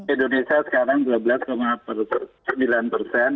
indonesia sekarang dua belas sembilan persen